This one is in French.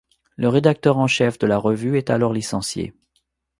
Le rédacteur en chef de la revue est alors licencié.